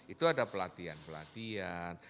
itu ada pelatihan pelatihan